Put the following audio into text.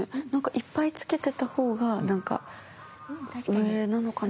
いっぱいつけてた方がなんか上なのかな？